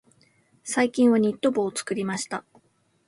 最近はニット帽を作りました。